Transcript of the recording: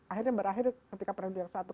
akhirnya berakhir ketika perang napoleon i